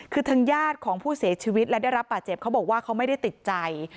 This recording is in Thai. คือทางญาติของผู้เสียชีวิตและได้รับบาดเจ็บเขาบอกว่าเขาไม่ได้ติดใจ